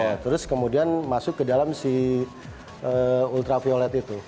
iya terus kemudian masuk ke dalam si ultraviolet itu